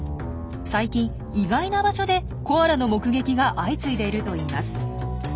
最近意外な場所でコアラの目撃が相次いでいるといいます。